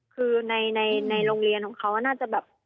คือในโรงเรียนของเขาน่าจะแบบ